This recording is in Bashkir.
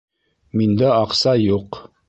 Миндә аҡса юҡ!